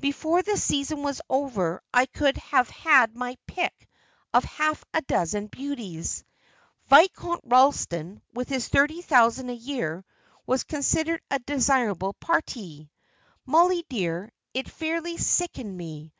Before the season was over I could have had my pick of half a dozen beauties. Viscount Ralston, with his thirty thousand a year, was considered a desirable parti. Mollie, dear, it fairly sickened me.